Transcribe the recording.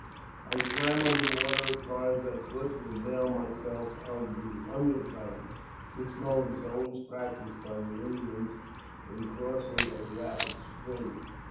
I swam under water as far as I could, to avail myself of the under current (this mode is always practised by the Indians in crossing a rapid stream).